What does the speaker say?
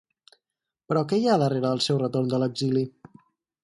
Però què hi ha darrere del seu retorn de l’exili?